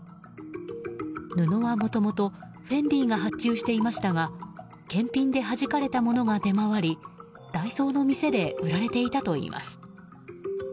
布はもともとＦＥＮＤＩが発注していましたが検品ではじかれたものが出回りダイソーの店で売られていたといいます。